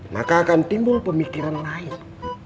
maka akan timbul pemikiran lain